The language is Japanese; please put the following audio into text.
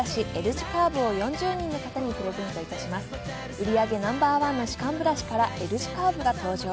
売り上げナンバーワンの歯間ブラシからＬ字カーブが登場！